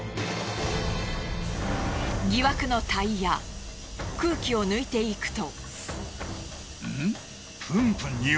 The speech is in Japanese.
疑惑のタイヤ空気を抜いていくと。